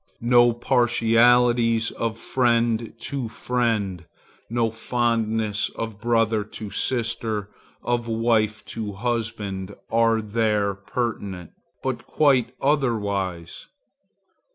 No partialities of friend to friend, no fondnesses of brother to sister, of wife to husband, are there pertinent, but quite otherwise.